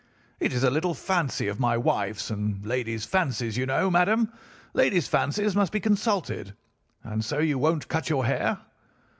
'It is a little fancy of my wife's, and ladies' fancies, you know, madam, ladies' fancies must be consulted. And so you won't cut your hair?